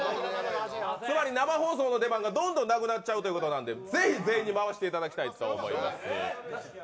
つまり生放送の出番がどんどんなくなっちゃうということなんでぜひ全員に回していただきたいと思います。